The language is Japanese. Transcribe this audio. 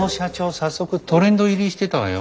早速トレンド入りしてたわよ